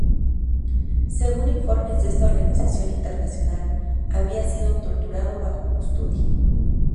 Según informes de esta organización internacional, había sido torturado bajo custodia.